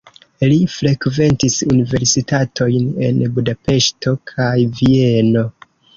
Li frekventis universitatojn en Budapeŝto kaj Vieno.